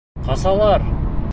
Ҡасалар!